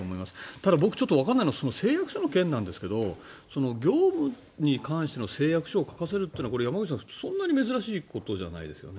ただ、僕ちょっとわからないのは誓約書の件なんですが業務に関しての誓約書を書かせるっていうのは山口さん、そんなに珍しいことじゃないですよね。